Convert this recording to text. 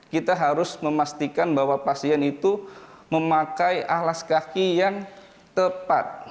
kita harus memastikan bahwa pasien itu memakai alas kaki yang tepat